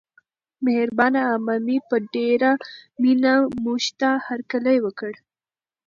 مهربانه عمه مې په ډېره مینه موږته هرکلی وکړ.